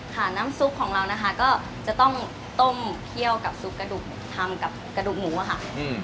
น้ำซุปของเรานะคะก็จะต้องต้มเคี่ยวกับซุปกระดูกทำกับกระดูกหมูอะค่ะ